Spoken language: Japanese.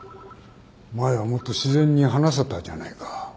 前はもっと自然に話せたじゃないか。